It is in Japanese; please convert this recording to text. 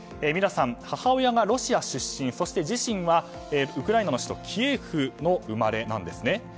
ミラさん、母親がロシア出身そして自身はウクライナの首都キエフの生まれなんですね。